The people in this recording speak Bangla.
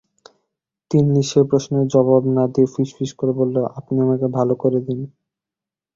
তিন্নি সে-প্রশ্নের জবাব না দিয়ে ফিসফিস করে বলল, আপনি আমাকে ভালো করে দিন।